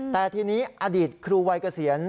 แต่ทีนี้อดีตครูวัยเกษียณ